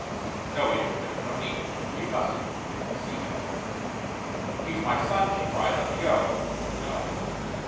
"No, Edith! There's no need. You mustn't see him!" "He's my son!" she cried. "Let me go!" "No!